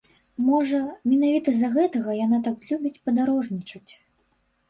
Можа, менавіта з-за гэтага яна так любіць падарожнічаць.